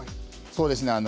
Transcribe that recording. そうですね